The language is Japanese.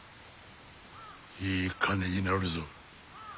いい金になるぞ。